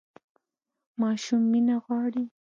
ماشوم مینه غواړي